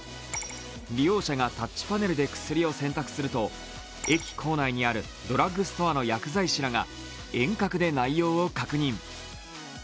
利用者がタッチパネルで薬を選択すると駅構内にあるドラッグストアの薬剤師らが遠隔で内容を確認。